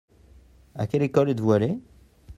À quelle école êtes-vous allé ?